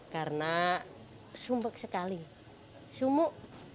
karena sumbek sekali sumbek